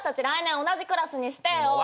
来年同じクラスにしてよ。